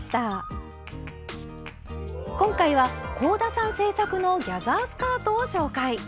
今回は香田さん制作のギャザースカートを紹介。